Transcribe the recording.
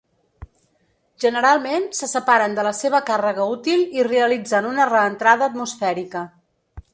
Generalment se separen de la seva càrrega útil i realitzen una reentrada atmosfèrica.